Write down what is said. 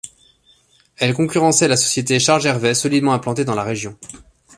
Elle concurrençait la société Charles Gervais, solidement implantée dans la région.